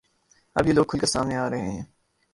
اب یہ لوگ کھل کر سامنے آ رہے ہیں